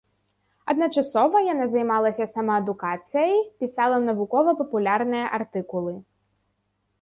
Адначасова яна займалася самаадукацыяй, пісала навукова-папулярныя артыкулы.